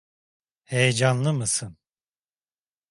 Heyecanlı mısın?